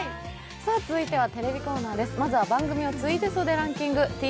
続いてはテレビコーナーです。